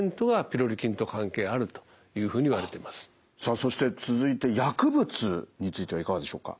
さあそして続いて薬物についてはいかがでしょうか。